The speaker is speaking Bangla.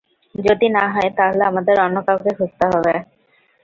যদি না হয় তাহলে আমাদের অন্য কাউকে খুঁজতে হবে।